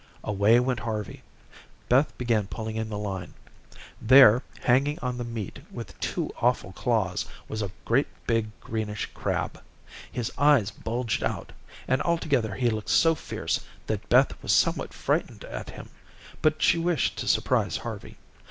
Away went Harvey. Beth began pulling in the line. There, hanging on the meat with two awful claws, was a great big greenish crab. His eyes bulged out, and altogether he looked so fierce that Beth was somewhat frightened at him, but she wished to surprise Harvey.